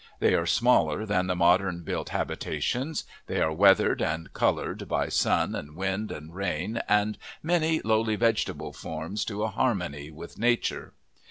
They are smaller than the modern built habitations; they are weathered and coloured by sun and wind and rain and many lowly vegetable forms to a harmony with nature.